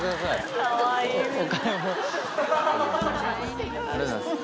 お買い物ありがとうございます